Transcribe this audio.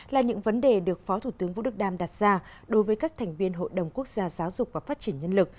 là những vấn đề được phó thủ tướng vũ đức đam đặt ra đối với các thành viên hội đồng quốc gia giáo dục và phát triển nhân lực